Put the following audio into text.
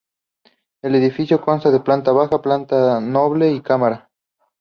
El edificio consta de planta baja, planta noble y cámara.